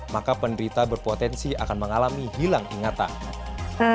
maka penderita berpotensi akan mengalami hilang ingatan